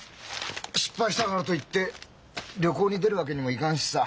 失敗したからと言って旅行に出るわけにもいかんしさ。